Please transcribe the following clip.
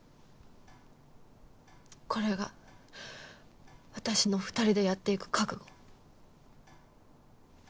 これが私の２人でやっていく覚悟。